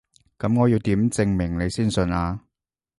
噉我要點證明你先信啊？